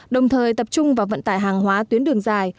đồng thời tập trung vào vận tải hàng hóa tuyến đường dài